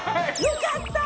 よかった！